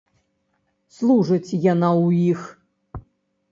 Служыць яна ў іх.